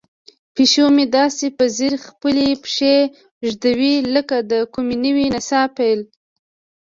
پیشو مې داسې په ځیر خپلې پښې ږدوي لکه د کومې نوې نڅا پیل.